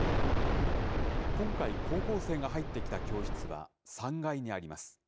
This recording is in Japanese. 今回、高校生が入ってきた教室は３階にあります。